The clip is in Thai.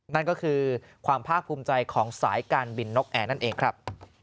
นั่นก็คือความภาคภูมิใจของสายการบินนกแอร์นั่นเองครับ